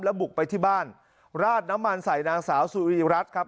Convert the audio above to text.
แล้วบุกไปที่บ้านราดน้ำมันใส่นางสาวซูริรัตน์ครับ